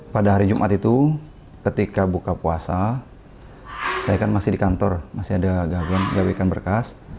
pada hari jumat itu ketika buka puasa saya kan masih di kantor masih ada gawekan berkas